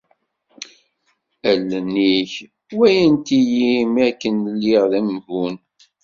Allen-ik walant-iyi mi akken i lliɣ d amgun.